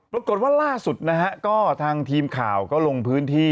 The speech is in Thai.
ปรากฏว่าล่าสุดนะฮะก็ทางทีมข่าวก็ลงพื้นที่